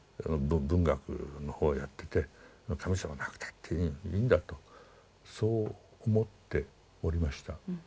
文学のほうやってて神様なくたっていいんだとそう思っておりました。